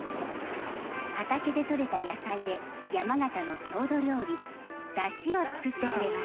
畑でとれた野菜で山形の郷土料理「だし」を作ってくれます。